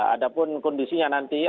ada pun kondisinya nanti atau aktivitas